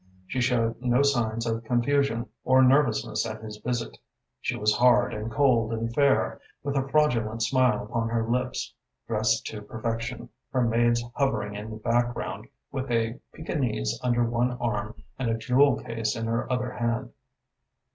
She showed no signs of confusion or nervousness at his visit. She was hard and cold and fair, with a fraudulent smile upon her lips, dressed to perfection, her maid hovering in the background with a Pekinese under one arm and a jewel case in her other hand.